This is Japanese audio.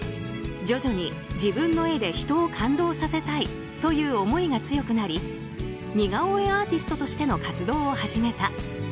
徐々に、自分の絵で人を感動させたいという思いが強くなり似顔絵アーティストとしての活動を始めた。